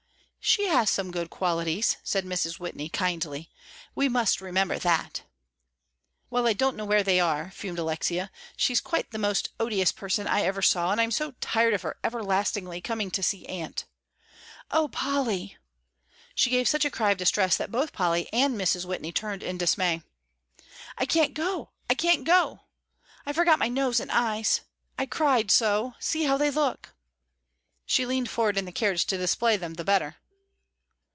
"She has some good qualities," said Mrs. Whitney, kindly; "we must remember that." "Well, I don't know where they are," fumed Alexia. "She's quite the most odious person I ever saw, and I'm so tired of her everlastingly coming to see Aunt. Oh, Polly!" She gave such a cry of distress that both Polly and Mrs. Whitney turned in dismay. "I can't go, I can't go; I forgot my nose and eyes. I cried so, see how they look!" She leaned forward in the carriage to display them the better.